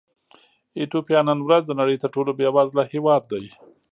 ایتوپیا نن ورځ د نړۍ تر ټولو بېوزله هېواد دی.